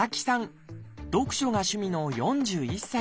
読書が趣味の４１歳です。